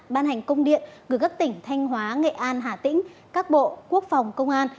ban hành công điện gửi các tỉnh thanh hóa nghệ an hà tĩnh các bộ quốc phòng công an